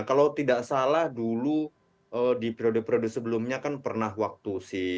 kalau tidak salah dulu di periode periode sebelumnya kan pernah waktu si